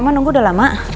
mama nunggu udah lama